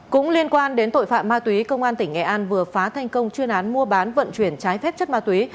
cũng liên quan đến tội phạm ma túy công an tỉnh nghệ an vừa phá thành công chuyên án mua bán vận chuyển trái phép chất ma túy